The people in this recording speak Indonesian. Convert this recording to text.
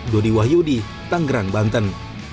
dodi wahyudi tanggerang banten